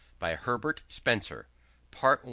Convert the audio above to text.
By Herbert Spencer PART I.